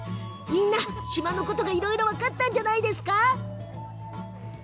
みんな、島のことがいろいろ分かったんじゃないですか。